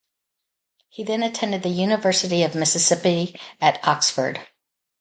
He then attended the University of Mississippi at Oxford.